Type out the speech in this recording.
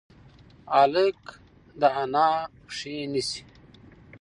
هلک د انا پښې نیسي.